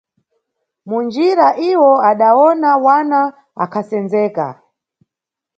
Munjira iwo adawona wana akhasendzeka.